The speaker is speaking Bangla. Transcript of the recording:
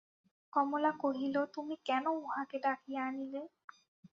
কমলা কহিল, তুমি কেন উঁহাকে ডাকিয়া আনিলে?